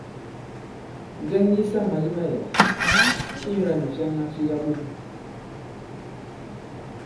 Ŋgɛŋ yisamà yi mayɛ̀là, inyūlā ndǐ fyaŋa fi kaɓom.